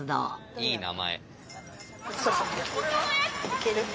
いい名前。